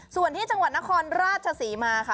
ส่วนที่จังหวัดนครราชศรีมาค่ะ